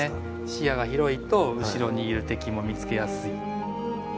視野が広いと後ろにいる敵も見つけやすい。